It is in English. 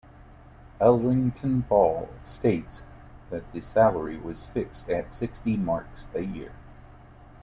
Elrington Ball states that the salary was fixed at sixty marks a year.